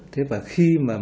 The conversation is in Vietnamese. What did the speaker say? thế và khi mà người việt nam